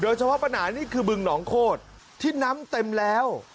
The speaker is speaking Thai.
เฉพาะปัญหานี่คือบึงหนองโคตรที่น้ำเต็มแล้ว